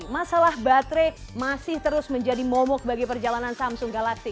masalah baterai masih terus menjadi momok bagi perjalanan samsung galati